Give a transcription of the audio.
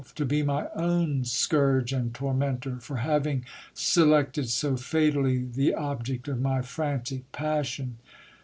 to be my own scourge and tormentor, for having selected so fatally the object of my frantic passion.